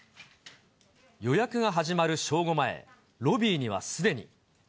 予約が始まる正午前、ロビーにはすでに。